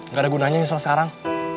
gak ada gunanya nyesel sekarang